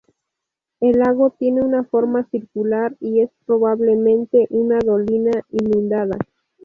El lago tiene una forma circular y es probablemente una dolina inundada.